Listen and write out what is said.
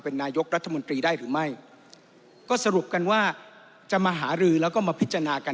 นายกรัฐมนตรีได้หรือไม่ก็สรุปกันว่าจะมาหารือแล้วก็มาพิจารณากัน